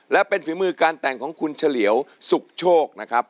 และเป็นฝีมือการแต่งของคุณเฉลียวสุขโชคนะครับ